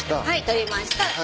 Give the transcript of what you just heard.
はい取りました。